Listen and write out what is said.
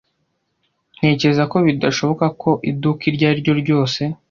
Ntekereza ko bidashoboka ko iduka iryo ariryo ryose